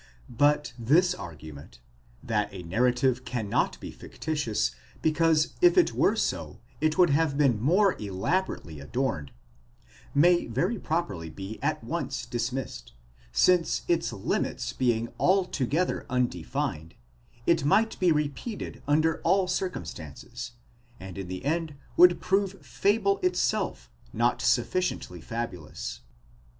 But this argument, that a narrative cannot be fictitious, because if it were so it would have been more elaborately adorned, may very properly be at once dismissed, since its limits being altogether undefined, it might be repeated under all circumstances, and in the end would prove fable itself not sufficiently fabulous.